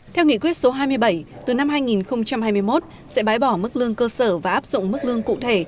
theo nghị quyết số hai mươi bảy từ năm hai nghìn hai mươi một sẽ bái bỏ mức lương cơ sở và áp dụng mức lương cụ thể